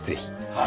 はい。